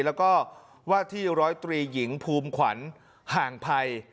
แล้วก็ว่าที่๑๐๓หญิงภูมิขวัญห่างภัย